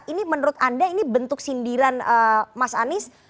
ini menurut anda ini bentuk sindiran mas anies